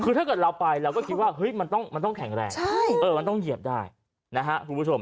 คือถ้าเกิดเราไปเราก็คิดว่ามันต้องแข็งแรงมันต้องเหยียบได้นะฮะคุณผู้ชม